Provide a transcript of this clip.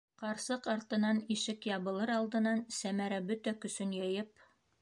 Ҡарсыҡ артынан ишек ябылыр алдынан Сәмәрә бөтә көсөн йыйып: